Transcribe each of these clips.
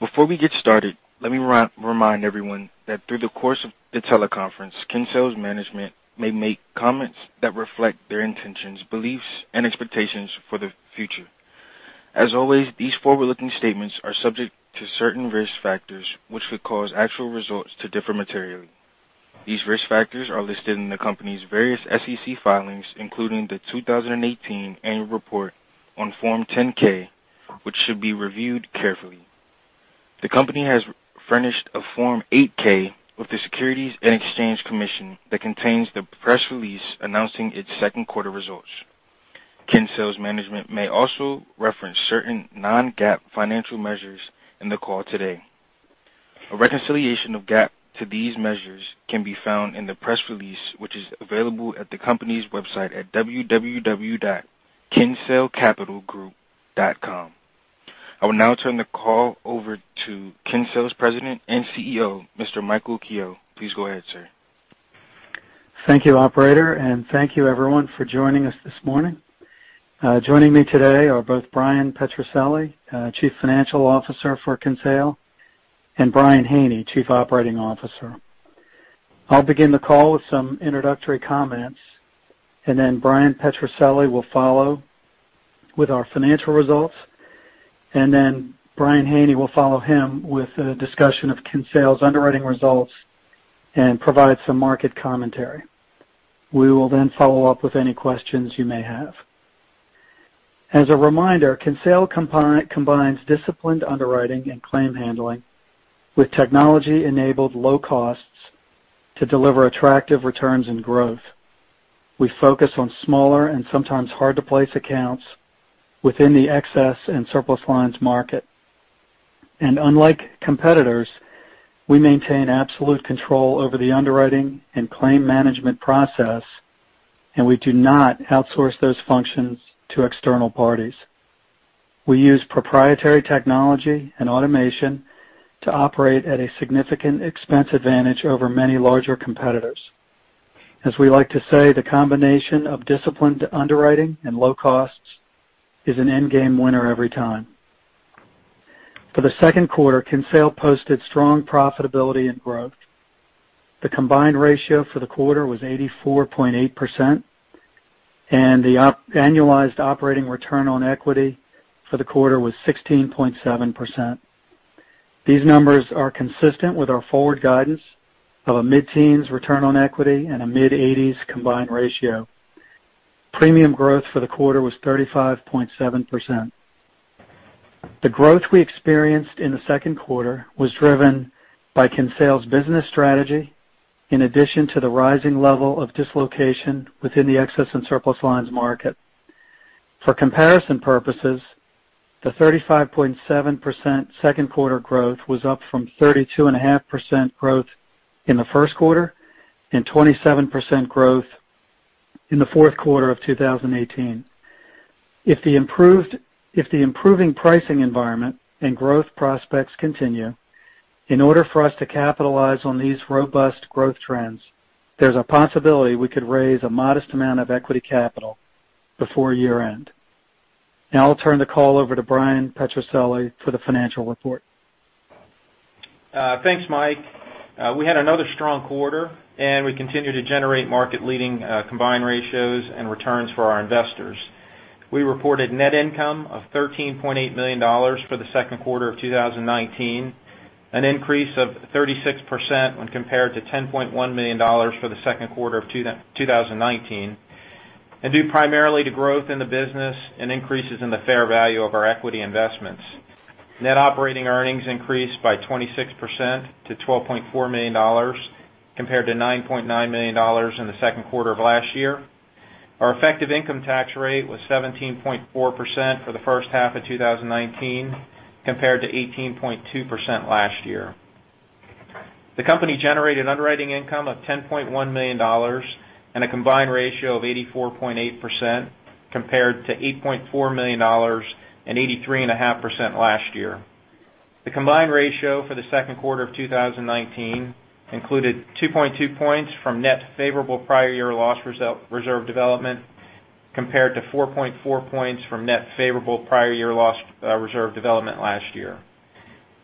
Before we get started, let me remind everyone that through the course of the teleconference, Kinsale's management may make comments that reflect their intentions, beliefs, and expectations for the future. As always, these forward-looking statements are subject to certain risk factors which could cause actual results to differ materially. These risk factors are listed in the company's various SEC filings, including the 2018 annual report on Form 10-K, which should be reviewed carefully. The company has furnished a Form 8-K with the Securities and Exchange Commission that contains the press release announcing its second quarter results. Kinsale's management may also reference certain non-GAAP financial measures in the call today. A reconciliation of GAAP to these measures can be found in the press release, which is available at the company's website at www.kinsalecapitalgroup.com. I will now turn the call over to Kinsale's President and CEO, Mr. Michael Kehoe. Please go ahead, sir. Thank you, operator, and thank you everyone for joining us this morning. Joining me today are both Bryan Petrucelli, Chief Financial Officer for Kinsale, and Brian Haney, Chief Operating Officer. I'll begin the call with some introductory comments. Bryan Petrucelli will follow with our financial results. Brian Haney will follow him with a discussion of Kinsale's underwriting results and provide some market commentary. We will then follow up with any questions you may have. As a reminder, Kinsale combines disciplined underwriting and claim handling with technology-enabled low costs to deliver attractive returns and growth. We focus on smaller and sometimes hard-to-place accounts within the excess and surplus lines market. Unlike competitors, we maintain absolute control over the underwriting and claim management process, and we do not outsource those functions to external parties. We use proprietary technology and automation to operate at a significant expense advantage over many larger competitors. As we like to say, the combination of disciplined underwriting and low costs is an end game winner every time. For the second quarter, Kinsale posted strong profitability and growth. The combined ratio for the quarter was 84.8%, and the annualized operating return on equity for the quarter was 16.7%. These numbers are consistent with our forward guidance of a mid-teens return on equity and a mid-eighties combined ratio. Premium growth for the quarter was 35.7%. The growth we experienced in the second quarter was driven by Kinsale's business strategy, in addition to the rising level of dislocation within the excess and surplus lines market. For comparison purposes, the 35.7% second quarter growth was up from 32.5% growth in the first quarter and 27% growth in the fourth quarter of 2018. If the improving pricing environment and growth prospects continue, in order for us to capitalize on these robust growth trends, there's a possibility we could raise a modest amount of equity capital before year-end. I'll turn the call over to Bryan Petrucelli for the financial report. Thanks, Mike. We had another strong quarter, we continue to generate market-leading combined ratios and returns for our investors. We reported net income of $13.8 million for the second quarter of 2019, an increase of 36% when compared to $10.1 million for the second quarter of 2019, due primarily to growth in the business and increases in the fair value of our equity investments. Net operating earnings increased by 26% to $12.4 million compared to $9.9 million in the second quarter of last year. Our effective income tax rate was 17.4% for the first half of 2019, compared to 18.2% last year. The company generated underwriting income of $10.1 million and a combined ratio of 84.8% compared to $8.4 million and 83.5% last year. The combined ratio for the second quarter of 2019 included 2.2 points from net favorable prior year loss reserve development, compared to 4.4 points from net favorable prior year loss reserve development last year.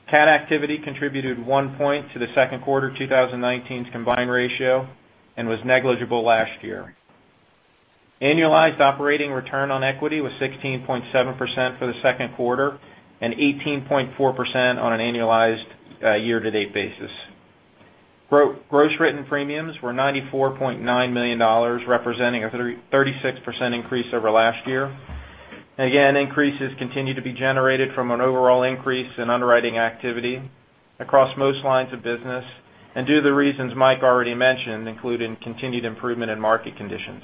Cat activity contributed one point to the second quarter 2019's combined ratio and was negligible last year. Annualized operating return on equity was 16.7% for the second quarter and 18.4% on an annualized year-to-date basis. Gross written premiums were $94.9 million representing a 36% increase over last year. Increases continue to be generated from an overall increase in underwriting activity across most lines of business due to the reasons Mike already mentioned, including continued improvement in market conditions.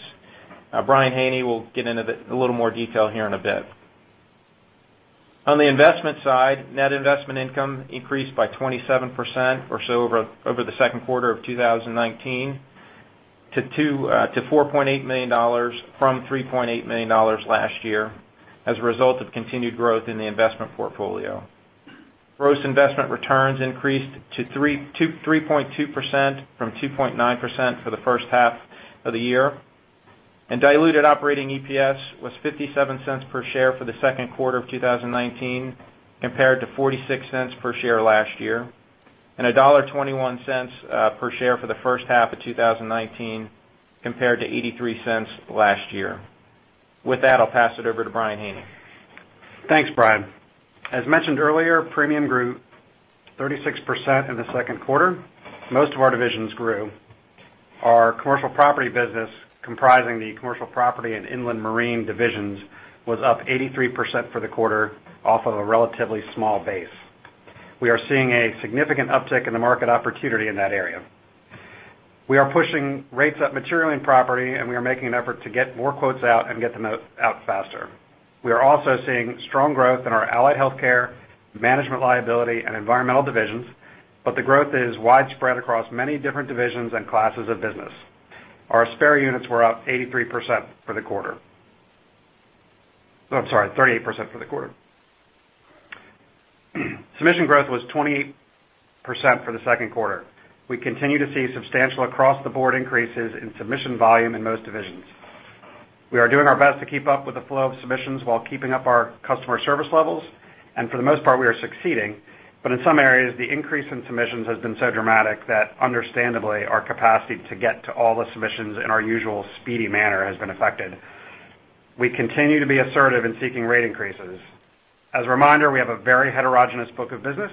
Brian Haney will get into a little more detail here in a bit. On the investment side, net investment income increased by 27% or so over the second quarter of 2019 to $4.8 million from $3.8 million last year as a result of continued growth in the investment portfolio. Gross investment returns increased to 3.2% from 2.9% for the first half of the year. Diluted operating EPS was $0.57 per share for the second quarter of 2019, compared to $0.46 per share last year, and $1.21 per share for the first half of 2019, compared to $0.83 last year. With that, I'll pass it over to Brian Haney. Thanks, Brian. As mentioned earlier, premium grew 36% in the second quarter. Most of our divisions grew. Our Commercial Property business, comprising the Commercial Property and Inland Marine divisions, was up 83% for the quarter off of a relatively small base. We are seeing a significant uptick in the market opportunity in that area. We are pushing rates up materially in property, and we are making an effort to get more quotes out and get them out faster. We are also seeing strong growth in our Allied Health, Management Liability, and Environmental divisions, but the growth is widespread across many different divisions and classes of business. Our spare units were up 83% for the quarter. I'm sorry, 38% for the quarter. Submission growth was 28% for the second quarter. We continue to see substantial across-the-board increases in submission volume in most divisions. We are doing our best to keep up with the flow of submissions while keeping up our customer service levels, and for the most part, we are succeeding. In some areas, the increase in submissions has been so dramatic that understandably, our capacity to get to all the submissions in our usual speedy manner has been affected. We continue to be assertive in seeking rate increases. As a reminder, we have a very heterogeneous book of business,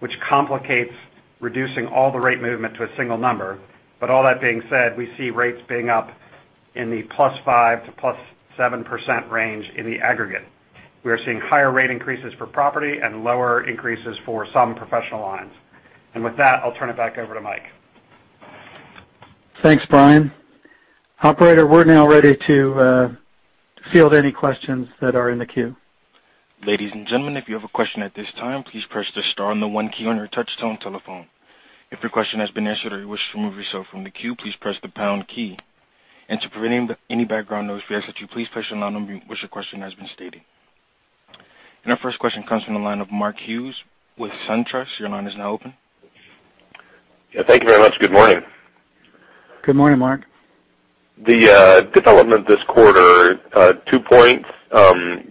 which complicates reducing all the rate movement to a single number. All that being said, we see rates being up in the +5% to +7% range in the aggregate. We are seeing higher rate increases for property and lower increases for some professional lines. With that, I'll turn it back over to Mike. Thanks, Brian. Operator, we're now ready to field any questions that are in the queue. Ladies and gentlemen, if you have a question at this time, please press the star and the one key on your touchtone telephone. If your question has been answered or you wish to remove yourself from the queue, please press the pound key. To prevent any background noise, we ask that you please press your line number once your question has been stated. Our first question comes from the line of Mark Hughes with SunTrust. Your line is now open. Yeah. Thank you very much. Good morning. Good morning, Mark. The development this quarter, two points.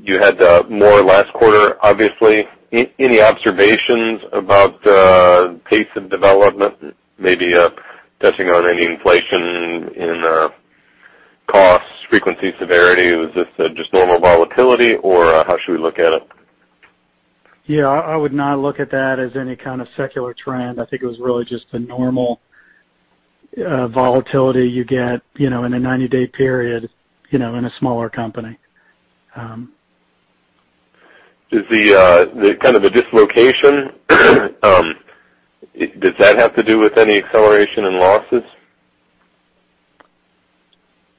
You had more last quarter, obviously. Any observations about the pace of development, maybe touching on any inflation in costs, frequency, severity? Was this just normal volatility, or how should we look at it? Yeah, I would not look at that as any kind of secular trend. I think it was really just the normal volatility you get in a 90-day period in a smaller company. Is the kind of a dislocation, did that have to do with any acceleration in losses?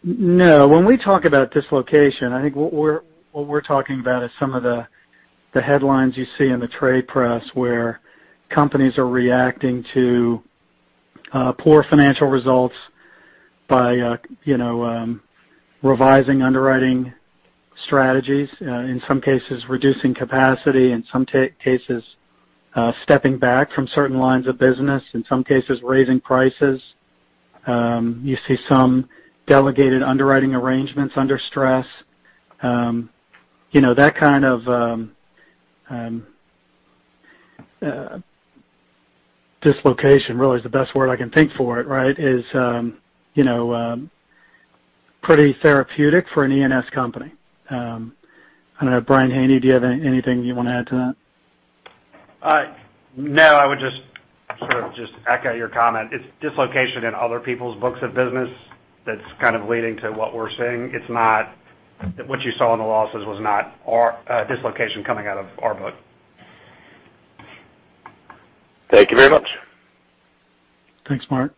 No. When we talk about dislocation, I think what we're talking about is some of the headlines you see in the trade press where companies are reacting to poor financial results by revising underwriting strategies, in some cases reducing capacity, in some cases stepping back from certain lines of business, in some cases raising prices. You see some delegated underwriting arrangements under stress. That kind of dislocation, really, is the best word I can think for it, right, is pretty therapeutic for an E&S company. I don't know. Brian Haney, do you have anything you want to add to that? No, I would just sort of echo your comment. It's dislocation in other people's books of business that's kind of leading to what we're seeing. What you saw in the losses was not dislocation coming out of our book. Thank you very much. Thanks, Mark.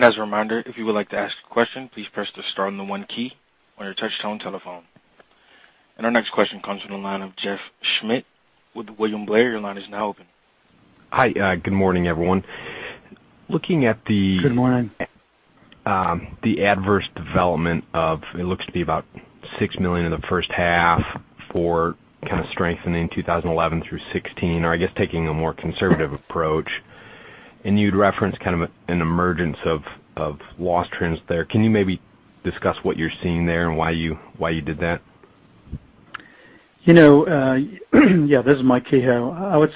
As a reminder, if you would like to ask a question, please press the star and the one key on your touchtone telephone. Our next question comes from the line of Jeff Schmitt with William Blair. Your line is now open. Hi. Good morning, everyone. Good morning. Looking at the adverse development, it looks to be about $6 million in the first half for kind of strengthening 2011 through 2016, I guess taking a more conservative approach. You'd referenced kind of an emergence of loss trends there. Can you maybe discuss what you're seeing there and why you did that? Yeah. This is Mike Kehoe. I would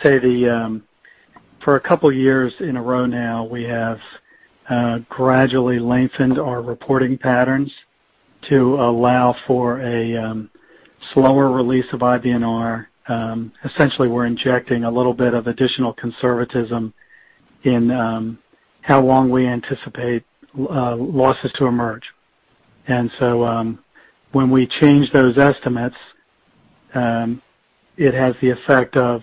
say for a couple of years in a row now, we have gradually lengthened our reporting patterns to allow for a slower release of IBNR. Essentially, we're injecting a little bit of additional conservatism in how long we anticipate losses to emerge. When we change those estimates, it has the effect of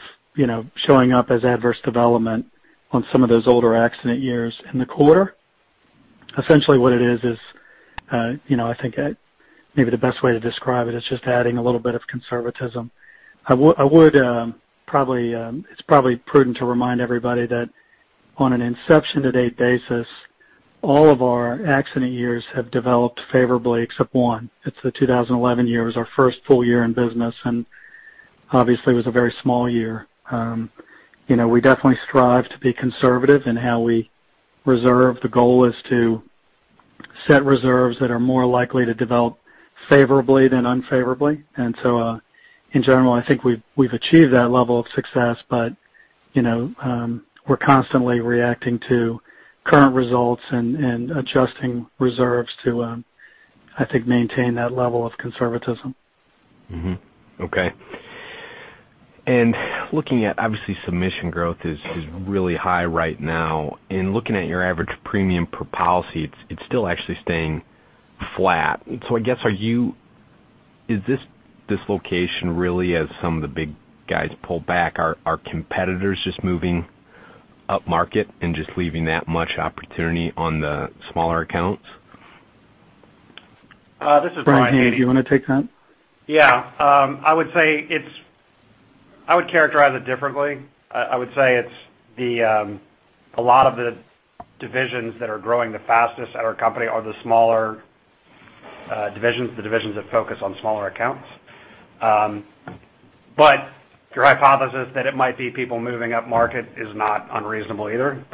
showing up as adverse development on some of those older accident years in the quarter. Essentially, what it is, I think maybe the best way to describe it is just adding a little bit of conservatism. It's probably prudent to remind everybody that on an inception-to-date basis, all of our accident years have developed favorably except one. It's the 2011 year. It was our first full year in business, obviously, it was a very small year. We definitely strive to be conservative in how we reserve. The goal is to set reserves that are more likely to develop favorably than unfavorably. In general, I think we've achieved that level of success, we're constantly reacting to current results and adjusting reserves to, I think, maintain that level of conservatism. Mm-hmm. Okay. Looking at, obviously, submission growth is really high right now. In looking at your average premium per policy, it's still actually staying flat. I guess, is this dislocation really as some of the big guys pull back? Are competitors just moving upmarket and just leaving that much opportunity on the smaller accounts? This is Brian Haney. Brian, do you want to take that? Yeah. I would characterize it differently. I would say a lot of the divisions that are growing the fastest at our company are the smaller divisions, the divisions that focus on smaller accounts. Your hypothesis that it might be people moving upmarket is not unreasonable either.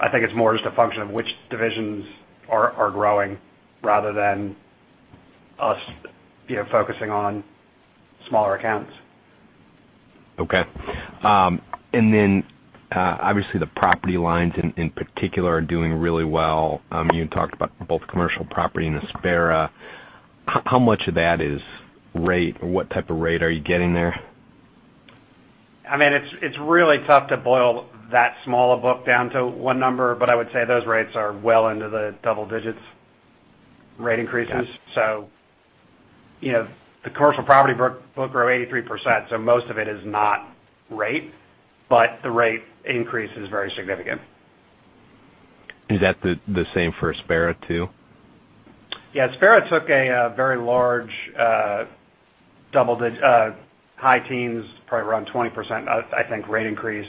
I think it's more just a function of which divisions are growing rather than us focusing on smaller accounts. Okay. Obviously, the property lines in particular, are doing really well. You had talked about both commercial property and Aspera. How much of that is rate? What type of rate are you getting there? It's really tough to boil that small a book down to one number, but I would say those rates are well into the double digits rate increases. Got it. The commercial property book grew 83%, so most of it is not rate, but the rate increase is very significant. Is that the same for Aspera, too? Yeah. Aspera took a very large high teens, probably around 20%, I think, rate increase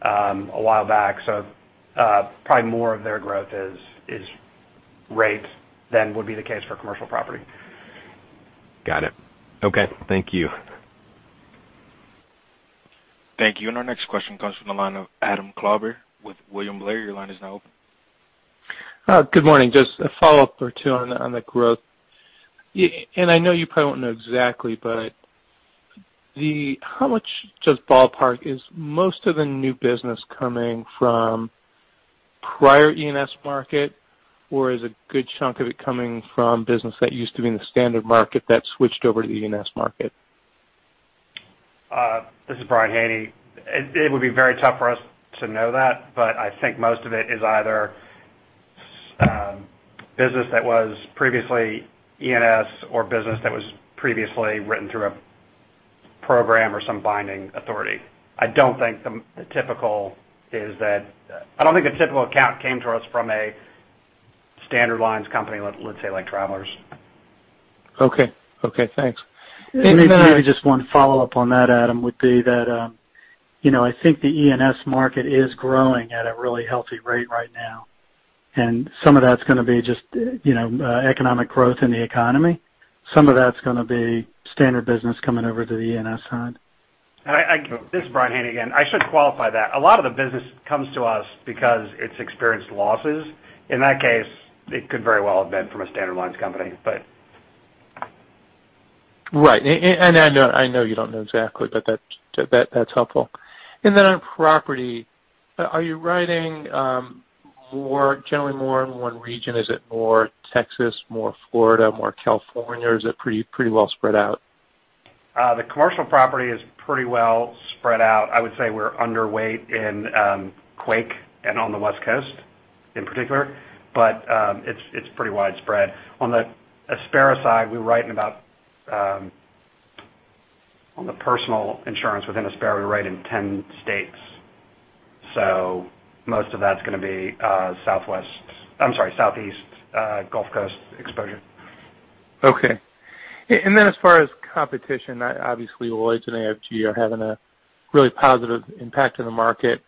a while back. Probably more of their growth is rate than would be the case for commercial property. Got it. Okay. Thank you. Thank you. Our next question comes from the line of Adam Klauber with William Blair. Your line is now open. Good morning. Just a follow-up or two on the growth. I know you probably won't know exactly, but how much, just ballpark, is most of the new business coming from prior E&S market? Or is a good chunk of it coming from business that used to be in the standard market that switched over to the E&S market? This is Brian Haney. It would be very tough for us to know that, but I think most of it is either business that was previously E&S or business that was previously written through a program or some binding authority. I don't think a typical account came to us from a standard lines company, let's say, like Travelers. Okay. Thanks. Maybe just one follow-up on that, Adam, would be that I think the E&S market is growing at a really healthy rate right now. Some of that's going to be just economic growth in the economy. Some of that's going to be standard business coming over to the E&S side. This is Brian Haney again. I should qualify that. A lot of the business comes to us because it's experienced losses. In that case, it could very well have been from a standard lines company. Right. I know you don't know exactly, but that's helpful. On property, are you writing generally more in one region? Is it more Texas, more Florida, more California, or is it pretty well spread out? The commercial property is pretty well spread out. I would say we're underweight in quake and on the West Coast in particular, but it's pretty widespread. On the Aspera side, on the personal insurance within Aspera, we write in 10 states. Most of that's going to be Southeast Gulf Coast exposure. Okay. As far as competition, obviously Lloyd's and AIG are having a really positive impact on the market.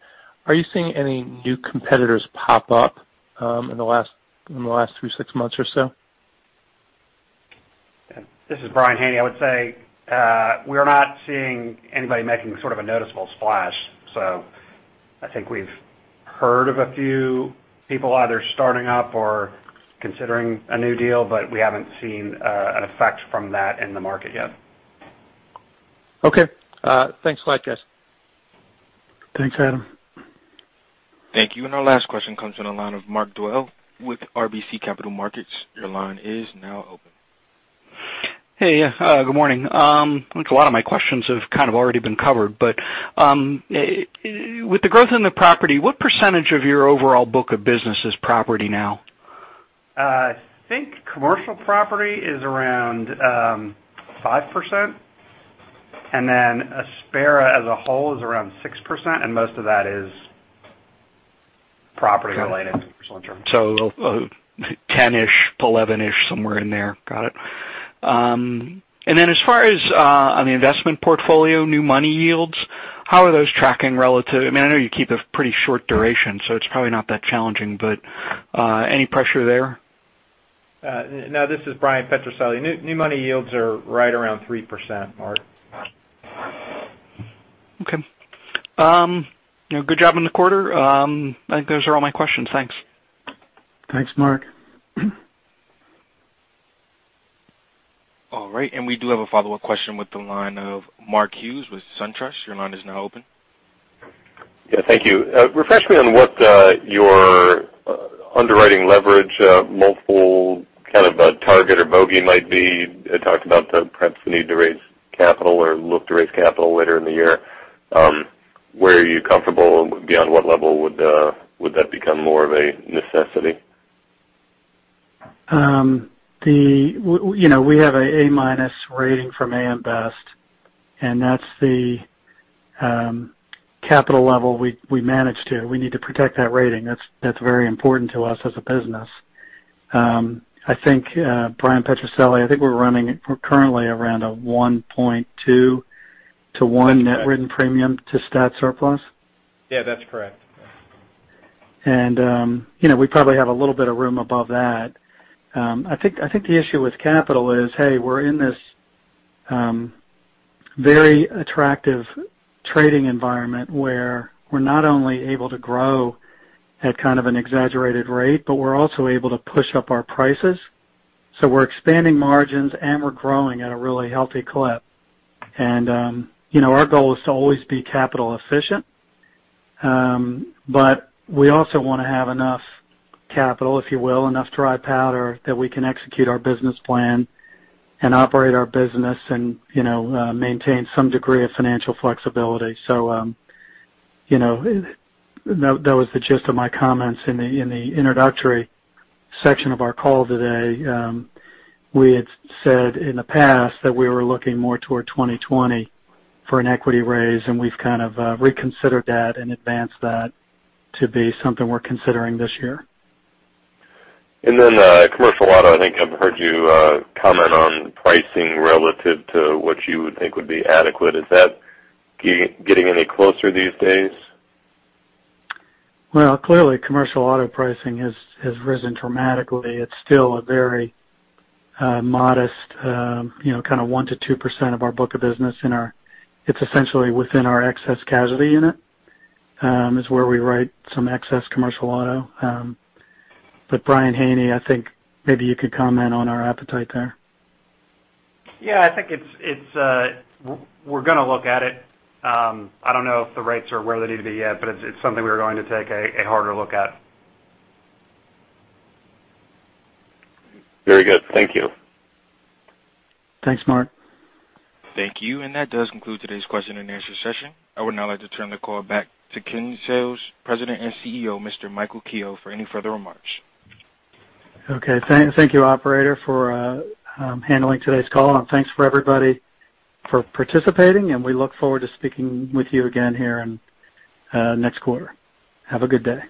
Are you seeing any new competitors pop up in the last three, six months or so? This is Brian Haney. I would say we're not seeing anybody making a noticeable splash. I think we've heard of a few people either starting up or considering a new deal, we haven't seen an effect from that in the market yet. Okay. Thanks a lot, guys. Thanks, Adam. Thank you. Our last question comes from the line of Mark Dwelle with RBC Capital Markets. Your line is now open. Hey. Good morning. Looks a lot of my questions have kind of already been covered. With the growth in the property, what % of your overall book of business is property now? I think commercial property is around 5%. Aspera as a whole is around 6%, and most of that is property related personal insurance. 10-ish, 11-ish, somewhere in there. Got it. As far as on the investment portfolio, new money yields, how are those tracking? I know you keep a pretty short duration, so it's probably not that challenging. Any pressure there? No, this is Bryan Petrucelli. New money yields are right around 3%, Mark. Okay. Good job on the quarter. I think those are all my questions. Thanks. Thanks, Mark. All right. We do have a follow-up question with the line of Mark Hughes with SunTrust. Your line is now open. Yeah. Thank you. Refresh me on what your underwriting leverage multiple kind of a target or bogey might be. You talked about the perhaps the need to raise capital or look to raise capital later in the year. Where are you comfortable, and beyond what level would that become more of a necessity? We have an A-minus rating from AM Best, and that's the capital level we manage to. We need to protect that rating. That's very important to us as a business. Bryan Petrucelli, I think we're running currently around a 1.2 to 1 net written premium to stat surplus. Yeah, that's correct. We probably have a little bit of room above that. I think the issue with capital is we're in this very attractive trading environment where we're not only able to grow at kind of an exaggerated rate, but we're also able to push up our prices. We're expanding margins. We're growing at a really healthy clip. Our goal is to always be capital efficient, but we also want to have enough capital, if you will, enough dry powder that we can execute our business plan and operate our business and maintain some degree of financial flexibility. That was the gist of my comments in the introductory section of our call today. We had said in the past that we were looking more toward 2020 for an equity raise. We've kind of reconsidered that and advanced that to be something we're considering this year. Commercial auto, I think I've heard you comment on pricing relative to what you would think would be adequate. Is that getting any closer these days? Well, clearly, commercial auto pricing has risen dramatically. It's still a very modest kind of 1%-2% of our book of business. It's essentially within our excess casualty unit, is where we write some excess commercial auto. Brian Haney, I think maybe you could comment on our appetite there. I think we're going to look at it. I don't know if the rates are where they need to be yet, but it's something we're going to take a harder look at. Very good. Thank you. Thanks, Mark. Thank you. That does conclude today's question and answer session. I would now like to turn the call back to Kinsale's President and CEO, Mr. Michael Kehoe, for any further remarks. Okay. Thank you, operator, for handling today's call. Thanks for everybody for participating. We look forward to speaking with you again here in next quarter. Have a good day.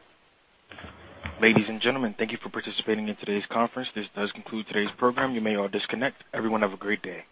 Ladies and gentlemen, thank you for participating in today's conference. This does conclude today's program. You may all disconnect. Everyone, have a great day.